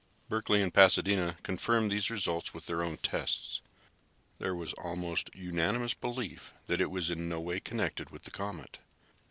Berkeley and Pasadena confirmed these results with their own tests. There was almost unanimous belief that it was in no way connected with the comet.